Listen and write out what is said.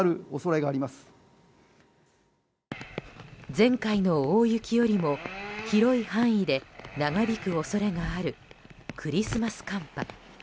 前回の大雪よりも広い範囲で長引く恐れがあるクリスマス寒波。